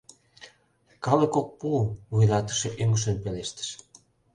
— Калык ок пу, — вуйлатыше ӱҥышын пелештыш.